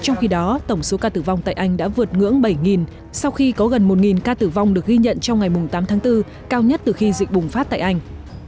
nhiều ca tử vong tại anh đã vượt ngưỡng bảy sau khi có gần một ca tử vong được ghi nhận trong ngày tám tháng bốn cao nhất từ khi dịch bùng phát tại anh